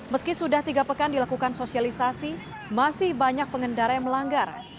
meski sudah tiga pekan dilakukan sosialisasi masih banyak pengendara yang melanggar